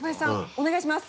お願いします。